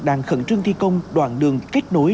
đang khẩn trương thi công đoàn đường kết nối